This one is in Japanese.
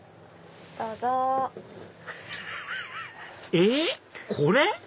えっこれ？